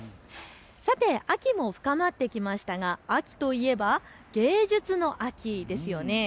さて秋も深まってきましたが秋といえば芸術の秋ですよね。